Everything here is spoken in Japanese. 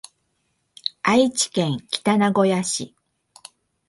愛知県北名古屋市